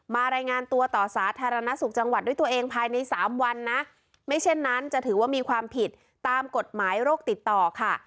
รายงานตัวต่อสาธารณสุขจังหวัดด้วยตัวเองภายในสามวันนะไม่เช่นนั้นจะถือว่ามีความผิดตามกฎหมายโรคติดต่อค่ะ